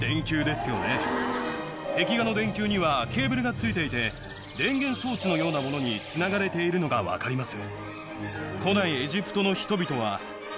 壁画の電球にはケーブルが付いていて電源装置のようなものにつながれているのが分かります。